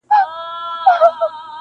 • پر جهان یې غوړېدلی سلطنت وو -